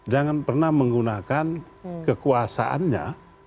jangan pernah menggunakan kekuasaannya